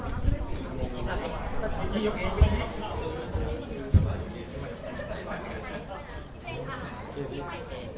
อ่าเอียงข้างนิดนึงได้ค่ะไม่มีย้อน